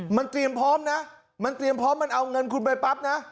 มันเตรียมพร้อมนะมันเตรียมพร้อมมันเอาเงินคุณไปปั๊บนะ